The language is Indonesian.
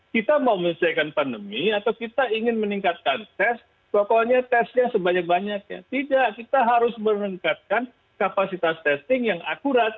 kita mau menyelesaikan pandemi atau kita ingin meningkatkan tes pokoknya tesnya sebanyak banyaknya tidak kita harus meningkatkan kapasitas testing yang akurat